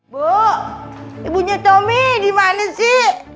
bu ibunya tommy dimana sih